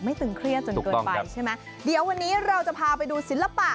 ตึงเครียดจนเกินไปใช่ไหมเดี๋ยววันนี้เราจะพาไปดูศิลปะ